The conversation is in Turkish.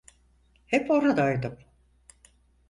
Hep oradaydım.